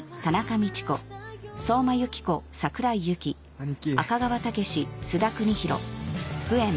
兄貴。